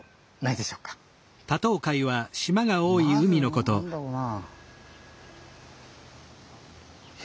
まず何だろうな。